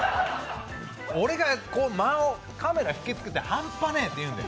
俺が間を、カメラ引きつけて半端ねえって言うんだよ。